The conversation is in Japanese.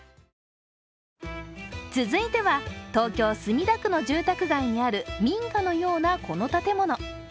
続いては東京・墨田区の住宅街にある民家のようなこの建物。